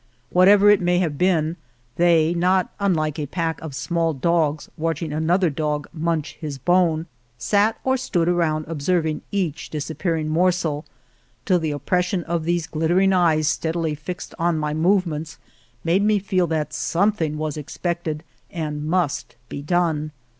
Whatever it may have been, they, not unlike a pack of small dogs watching another dog munch his bone, sat or stood around observing each disap pearing morsel till the oppression of these glittering eyes stead fastly fixed on my movements made me feel that something was expected and must be done.